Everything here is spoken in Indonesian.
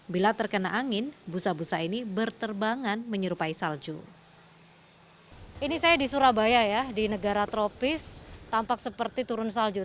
bila terkena angin busa busa ini berterbangan menyerupai salju